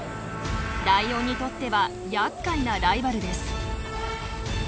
ライオンにとってはやっかいなライバルです。